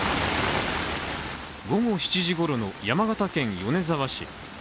午後７時ごろの山形県米沢市。